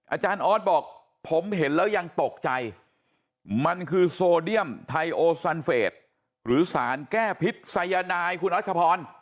อาจารย์ออสบอกผมเห็นแล้วยังตกใจมันคือโซเดียมไทโอซันเฟสหรือสารแก้พิษสายนายคุณรัชพร